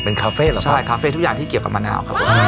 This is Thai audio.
เป็นคาเฟ่เหรอใช่คาเฟ่ทุกอย่างที่เกี่ยวกับมะนาวครับผม